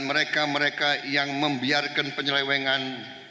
mereka mereka yang membiarkan penyelewengan